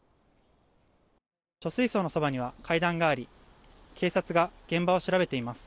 貯水槽のそばには階段があり警察が現場を調べています。